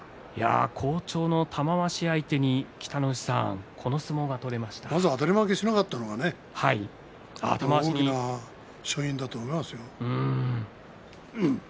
好調の玉鷲相手に北の富士さんまずあたり負けしなかったのがね勝因だと思いますよ。